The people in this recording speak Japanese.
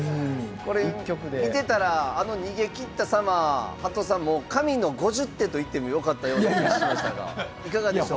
これ見てたらあの逃げきった様波戸さんも神の５０手と言ってもよかったような気がしましたがいかがでしょう？